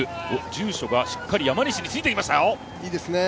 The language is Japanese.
住所がしっかり山西についてきましたよ。